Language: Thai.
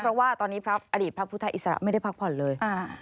เพราะว่าตอนนี้พระอดีตพระพุทธอิสระไม่ได้พักผ่อนเลย